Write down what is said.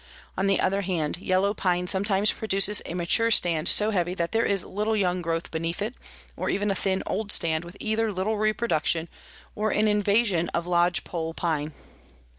On the other hand, yellow pine sometimes produces a mature stand so heavy that there is little young growth beneath it, or even a thin old stand with either little reproduction or an invasion of lodge pole pine.